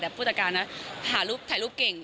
แต่ภูติการนะถ่ายรูปเก่ง